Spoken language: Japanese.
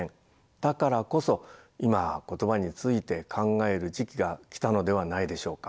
だからこそ今言葉について考える時期が来たのではないでしょうか。